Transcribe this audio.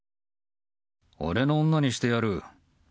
俺の女にしてやる。